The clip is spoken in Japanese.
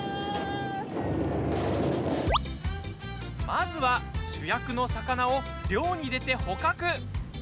まずは、主役の魚を漁に出て捕獲。